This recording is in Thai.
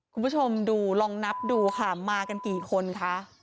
คุณผู้ชมดูลองนับดูค่ะมากันกี่คนคะ